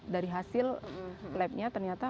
dari hasil labnya ternyata